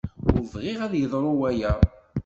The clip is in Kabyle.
Ur bɣiɣ ad yeḍṛu waya.